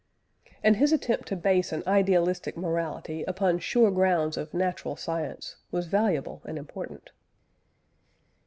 And his attempt to base an idealistic morality upon sure grounds of natural science was valuable and important.